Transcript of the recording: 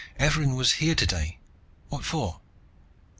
"Evarin was here today. What for?"